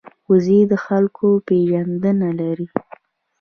وزې د خلکو پېژندنه لري